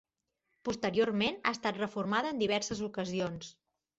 Posteriorment, ha estat reformada en diverses ocasions.